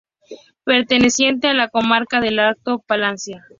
Perteneciente a la comarca del Alto Palancia.